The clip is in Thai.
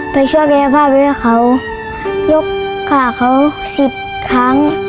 ไปช่วยกายภาพด้วยเขายกข้าวเขา๑๐ครั้ง